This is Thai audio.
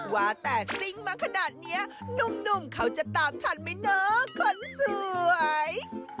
ว่าแต่ซิ่งมาขนาดนี้หนุ่มเขาจะตามทันไหมเนอะคนสวย